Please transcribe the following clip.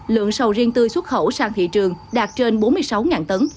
lượng sầu riêng tươi xuất khẩu sang thị trường đạt trên bốn mươi sáu tấn